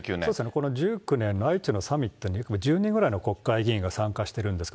この１９年の愛知のサミットに、１０人ぐらいの国会議員が参加してるんです。